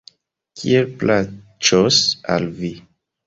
Kiel plaĉos al vi.